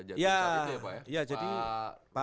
jatuh kabupaten ya pak ya pak